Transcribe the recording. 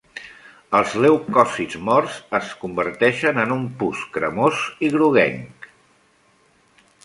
Els leucòcits morts es converteixen en un pus cremós i groguenc.